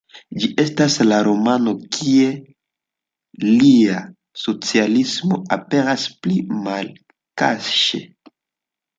Ĝi estas la romano, kie lia socialismo aperas pli malkaŝe.